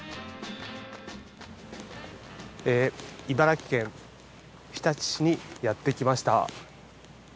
茨城県日立市にやってきました。